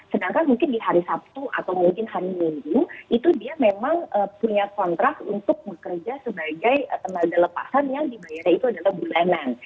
sedangkan mungkin di hari sabtu atau mungkin hari minggu itu dia memang punya kontrak untuk bekerja sebagai tenaga lepasan yang dibayarnya itu adalah bulanan